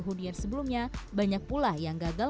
hudian sebelumnya banyak pula yang gagal